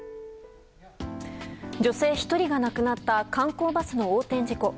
女性１人が亡くなった観光バスの横転事故。